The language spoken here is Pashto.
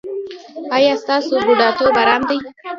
ایا ستاسو بوډاتوب ارام دی؟